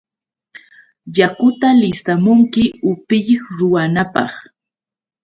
¡Yakuta listamunki upiy ruwanapaq!